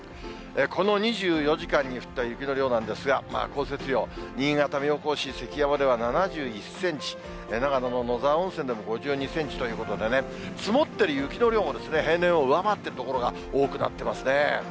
この２４時間に降った雪の量なんですが、降雪量、新潟・妙高市関山では７１センチ、長野の野沢温泉でも５２センチということでね、積もっている雪の量も、平年を上回っている所が多くなってますね。